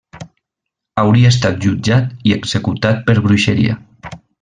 Hauria estat jutjat i executat per bruixeria.